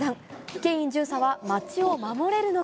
ケイン巡査は街を守れるのか。